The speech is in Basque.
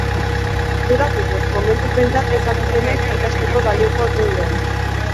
Dudak ditut, momentuz behintzat ez dakitenek ikasteko balioko ote duen.